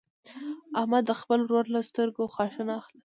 احمده د خپل ورور له سترګو خاشه نه اخلي.